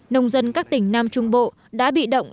nông dân các tỉnh nam trung bộ đã bị động